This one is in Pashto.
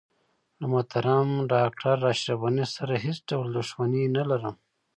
له محترم ډاکټر اشرف غني سره هیڅ ډول دښمني نه لرم.